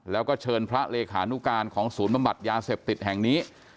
แล้วก็เชิญพระเลขานุการของศูนย์บำบัดยาเสพติดแห่งนี้